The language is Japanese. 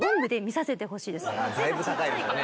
だいぶ高いですね。